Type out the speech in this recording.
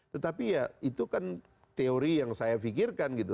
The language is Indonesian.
tetapi ya itu kan teori yang saya pikirkan gitu